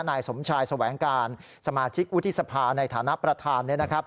นายสมชายสวัยงการสมาชิกอุทิศภาในฐานะประธาน